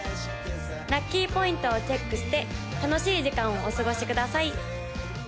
ラッキーポイントをチェックして楽しい時間をお過ごしください！